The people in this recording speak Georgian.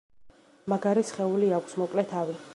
მაგარი სხეული აქვს, მოკლე თავი.